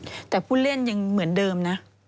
แต่ผู้เล่นยังเหมือนเดิมนะ